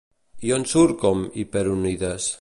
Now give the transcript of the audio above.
I on surt com Hyperonides?